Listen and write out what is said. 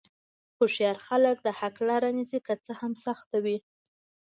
هوښیار خلک د حق لاره نیسي، که څه هم سخته وي.